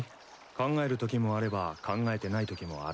考えるときもあれば考えてないときもあるさ。